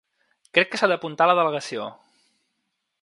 Crec que s’ha d’apuntar a la delegació.